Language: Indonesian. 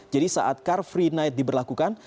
jadi saat car free night diberlakukan